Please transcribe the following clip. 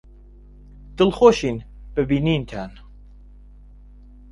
دڵخۆشین بە بینینتان.